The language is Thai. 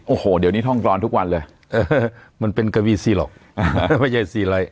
โอ้โหเดี๋ยวนี้ท่องกรอนทุกวันเลยเออมันเป็นกวีซีหรอกไม่ใช่ซีอะไร